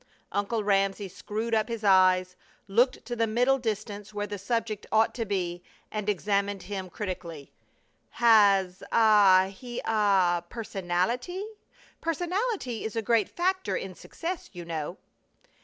Uncle Ramsey screwed up his eyes, looked to the middle distance where the subject ought to be, and examined him critically. "Has ah he ah personality? Personality is a great factor in success you know."